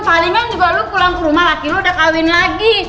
palingan juga kamu pulang ke rumah laki kamu sudah berkahwin lagi